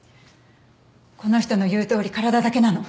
この人の言うとおり体だけなの？